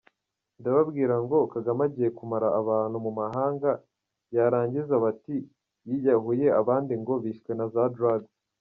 Ndababwirako Kagame agiye kumara abantu mumahanga yarangiza bati biyahuye abandi ngo bishwe naza drugs